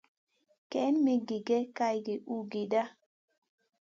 Kaïn mi gigè kalgi uhgida.